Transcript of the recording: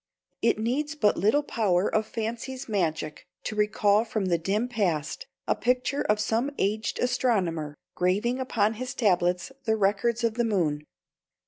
It needs but little power of fancy's magic to recall from the dim past a picture of some aged astronomer graving upon his tablets the Records of the Moon.